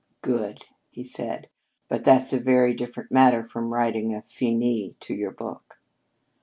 "Good!" he said. "But that's a very different matter from writing a 'Finis' to your book."